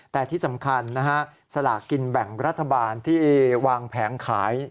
แต่ที่สำคัญนะฮะสลากกินแบ่งรัฐบาลที่วางแผงขาย